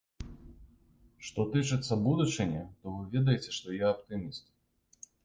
Што тычыцца будучыні, то вы ведаеце, што я аптыміст.